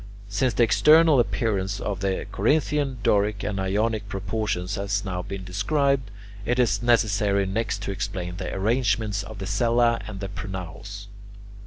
Since the external appearance of the Corinthian, Doric, and Ionic proportions has now been described, it is necessary next to explain the arrangements of the cella and the pronaos.